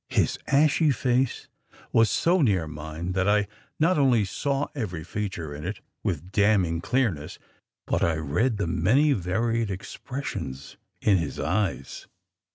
His ashy face was so near mine that I not only saw every feature in it with damning clearness, but I read the many varied expressions in his eyes.